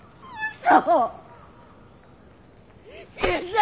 嘘！